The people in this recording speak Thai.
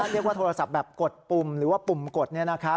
เรียกว่าโทรศัพท์แบบกดปุ่มหรือว่าปุ่มกด